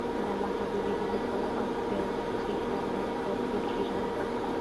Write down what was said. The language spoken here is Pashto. علامه حبيبي د لیکوال او څیړونکي تر منځ توپیر پېژنده.